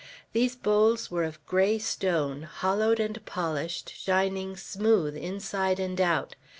These bowls were of gray stone, hollowed and polished, shining smooth inside and out.